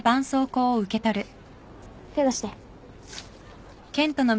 手出して。